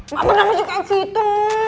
mbak mirna masih kayak gitu